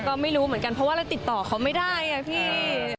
ก็ไม่รู้เหมือนกันเพราะว่าเราติดต่อเขาไม่ได้อะพี่